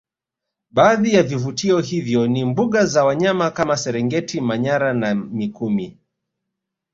Baadhi ya vivutio hivyo ni mbuga za wanyama kama serengeti manyara na mikumi